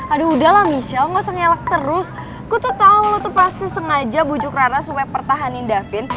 aduh udahlah michel gak usah ngelak terus gue tuh tau lu tuh pasti sengaja bujuk rana supaya pertahanin davin